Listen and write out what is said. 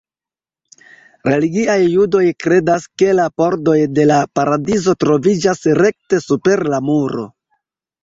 Religiaj judoj kredas ke la pordoj de la paradizo troviĝas rekte super la muro.